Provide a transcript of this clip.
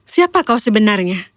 siapa kau sebenarnya